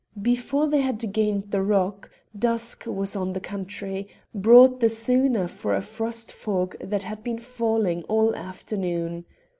Before they had gained the rock, dusk was on the country, brought the sooner for a frost fog that had been falling all afternoon.